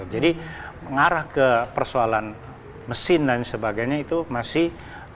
jadi mengarah ke persoalan mesin dan sebagainya itu masih